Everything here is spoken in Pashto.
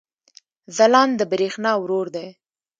ځلاند د برېښنا ورور دی